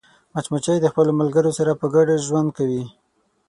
مچمچۍ د خپلو ملګرو سره په ګډه ژوند کوي